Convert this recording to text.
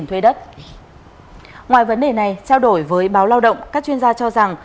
ngoài vấn đề này trao đổi với báo lao động các chuyên gia cho rằng